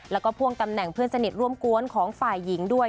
แล้วก็พ่วงตำแหน่งเพื่อนสนิทร่วมกวนของฝ่ายหญิงด้วย